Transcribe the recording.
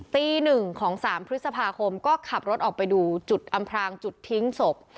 ตี๑ของ๓พฤษภาคมก็ขับรถออกไปดูจุดอำพรางจุดทิ้งศพ